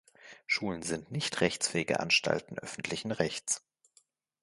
Schulen sind nicht rechtsfähige Anstalten öffentlichen Rechts.